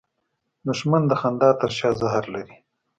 دښمن د خندا تر شا زهر لري